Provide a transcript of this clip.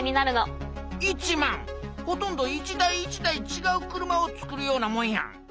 ほとんど一台一台ちがう車をつくるようなもんやん。